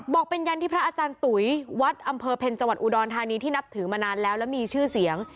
บอกเป็นยันที่พระอาจารย์ตุ๋ยวัดอำเภอเพ็ญจังหวัดอุดรธานีที่นับถือมานานแล้วและมีชื่อเสียง